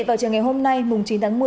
vào chiều ngày hôm nay chín tháng một mươi